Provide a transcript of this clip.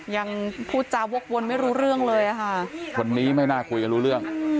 ยังพูดจาวกวนไม่รู้เรื่องเลยอ่ะค่ะคนนี้ไม่น่าคุยกันรู้เรื่อง